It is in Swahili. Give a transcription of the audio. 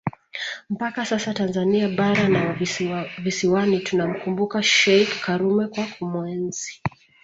mpaka sasa Tanzania bara na visiwani tunamkumbuka Sheikh Karume kwa kumuenzi